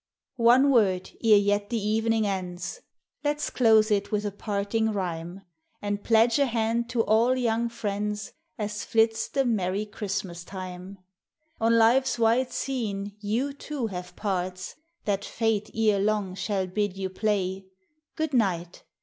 One word, ere yet the evening ends, — Let 's close it with a parting rhyme; And pledge a hand to all young friends, As flits the merry Christmas time; On life's wide scene you, too, have parts That fate erelong shall bid you play; Good night!